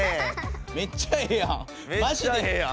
めっちゃいいやん。